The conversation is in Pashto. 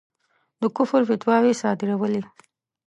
د کُفر فتواوې صادرولې.